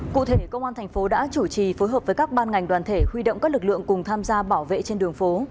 cụ thể công an thành phố đã chủ trì phối hợp với các ban ngành đoàn thể huy động các lực lượng cùng tham gia bảo vệ trên đường phố